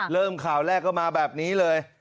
เริ่มข่าวแรกก็มาแบบนี้เลย